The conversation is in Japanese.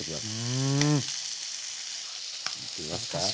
うん。いってみますか？